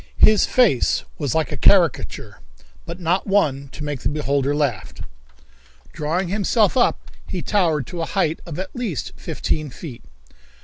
His face was like a caricature, but not one to make the beholder laugh. Drawing himself up, he towered to a height of at least fifteen feet.